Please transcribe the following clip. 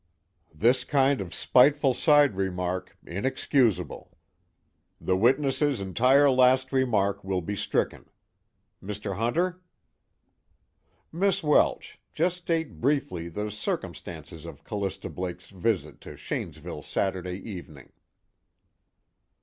"This kind of spiteful side remark inexcusable." "The witness's entire last remark will be stricken. Mr. Hunter?" "Miss Welsh, just state briefly the circumstances of Callista Blake's visit to Shanesville Saturday evening."